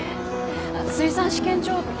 水産試験場って。